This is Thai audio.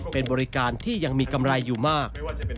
เป็นบริการที่ยังมีกำไรอยู่มาก